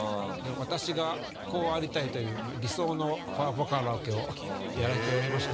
私がこうありたいという理想のパワポカラオケをやられておりまして。